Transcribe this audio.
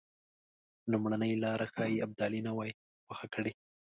لومړۍ لاره ښایي ابدالي نه وای خوښه کړې.